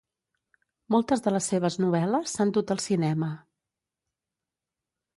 Moltes de les seves novel·les s'han dut al cinema.